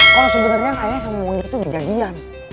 kalo sebenernya aya sama monggi tuh juga dian